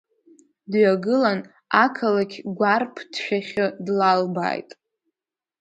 Дҩагылан, ақалақь гәарԥ ҭшәахьы длалбааит.